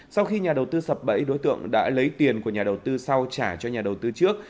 sau khi nhà đầu tư sập bẫy đối tượng đã lấy tiền của nhà đầu tư sau trả cho nhà đầu tư trước